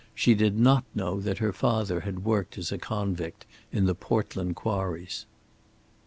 She did not know that her father had worked as a convict in the Portland quarries.